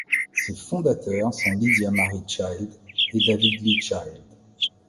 Ses fondateurs sont Lydia Maria Child et David Lee Child.